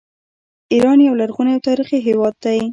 ایران یو لرغونی او تاریخي هیواد دی.